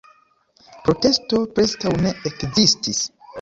Protesto preskaŭ ne ekzistis.